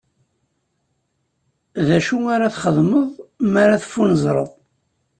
D acu ara txedmeḍ ma teffunezreḍ?